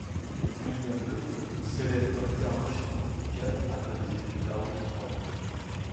William Laud s'élève dans la hiérarchie anglicane après des études à Oxford.